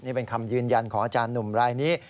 นี่เป็นคำยืนยันของอาจารย์หนุ่มรายนี้